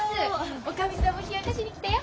おかみさんも冷やかしに来たよ。